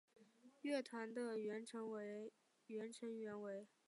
乐团的原成员为。